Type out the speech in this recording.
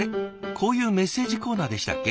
こういうメッセージコーナーでしたっけ？